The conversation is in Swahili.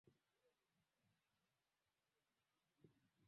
Askari wamo shuleni.